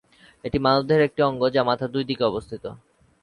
এটি মানবদেহের একটি অঙ্গ, যা মাথার দুই দিকে অবস্থিত।